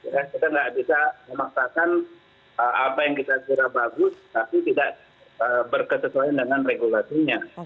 kita tidak bisa memaksakan apa yang kita kira bagus tapi tidak berkesesuaian dengan regulasinya